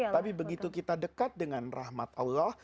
tapi begitu kita dekat dengan rahmat allah